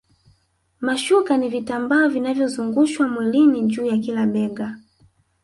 Mashuka ni vitambaa vinavyozungushwa mwilini juu ya kila bega